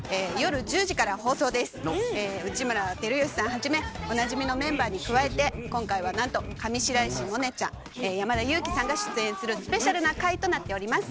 内村光良さんはじめおなじみのメンバーに加えて今回はなんと上白石萌音ちゃん山田裕貴さんが出演するスペシャルな回となっております。